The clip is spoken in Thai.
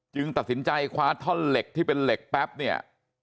ตัดสินใจคว้าท่อนเหล็กที่เป็นเหล็กแป๊บเนี่ย